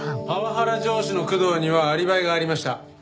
パワハラ上司の工藤にはアリバイがありました。